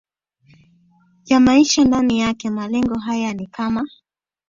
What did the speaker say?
ya maisha ndani yake Malengo haya ni kama